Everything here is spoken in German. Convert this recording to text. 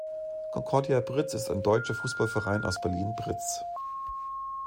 Concordia Britz ist ein deutscher Fußballverein aus Berlin-Britz.